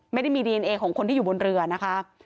ไม่ได้มีดีเอนเอของคนที่อยู่บนเรือนะคะ